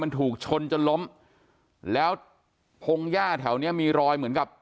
มันถูกชนจนล้มแล้วพงหญ้าแถวเนี้ยมีรอยเหมือนกับ